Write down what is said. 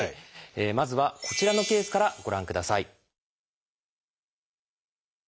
まずはこちらのケースからご覧ください。